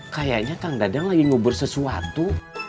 kayaknya kang dadang lagi ngubur sesuatu